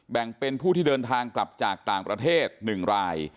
แบ่งเป็นผู้ที่เดินทางกลับจากต่างประเทศ๑ราย